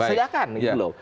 saya kan gitu loh